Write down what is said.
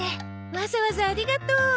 わざわざありがとう。